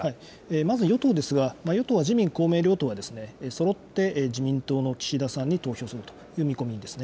まず与党ですが、与党は自民、公明両党はそろって自民党の岸田さんに投票するという見込みですね。